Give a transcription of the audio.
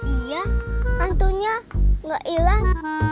iya hantunya gak ilan